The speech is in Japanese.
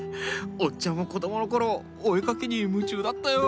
おっちゃんも子供の頃お絵描きに夢中だったよ。